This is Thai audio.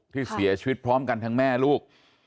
ที่เสียชีวิตพร้อมกันทั้งแม่ลูก